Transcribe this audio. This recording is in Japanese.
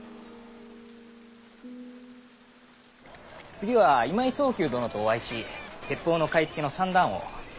次は今井宗久殿とお会いし鉄砲の買い付けの算段を。